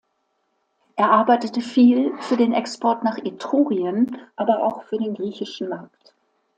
Er arbeitete viel für den Export nach Etrurien, aber auch für den griechischen Markt.